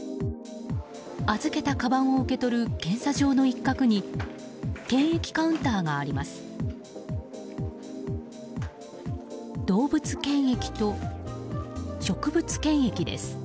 預けたかばんを受け取る検査場の一角に検疫カウンターがあります。